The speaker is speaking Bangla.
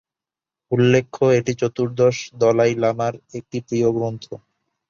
উল্লেখ্য, এটি চতুর্দশ দলাই লামার একটি প্রিয় গ্রন্থ।